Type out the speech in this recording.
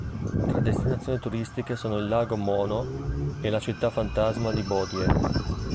Altre destinazioni turistiche sono il Lago Mono e la Città fantasma di Bodie.